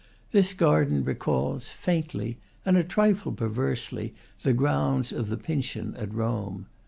This garden recalls, faintly and a trifle perversely, the grounds of the Pincian at Rome.